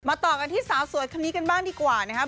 ต่อกันที่สาวสวยคนนี้กันบ้างดีกว่านะครับ